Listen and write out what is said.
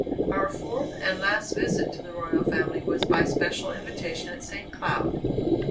Our fourth and last visit to the royal family was by special invitation at St. Cloud.